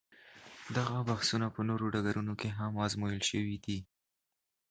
دغه بحثونه په نورو ډګرونو کې هم ازمویل شوي دي.